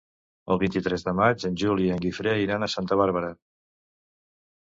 El vint-i-tres de maig en Juli i en Guifré iran a Santa Bàrbara.